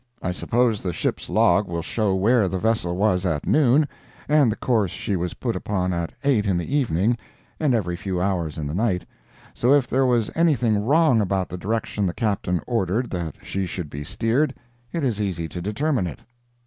I suppose the ship's log will show where the vessel was at noon, and the courses she was put upon at eight in the evening and every few hours in the night; so if there was anything wrong about the direction the Captain ordered that she should be steered, it is easy to determine it.